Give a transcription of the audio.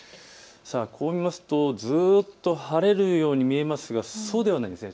こう見ますとずっと晴れるように見えますがそうでもないです。